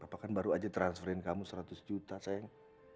papa kan baru aja transferin kamu seratus juta sayang